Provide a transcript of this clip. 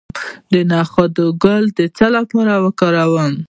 د نخود ګل د څه لپاره وکاروم؟